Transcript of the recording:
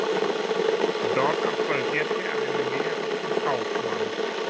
Dort absolvierte er eine Lehre zum Kaufmann.